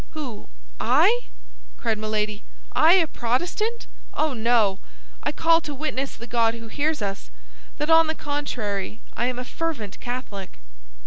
"Who—I?" cried Milady; "I a Protestant? Oh, no! I call to witness the God who hears us, that on the contrary I am a fervent Catholic!"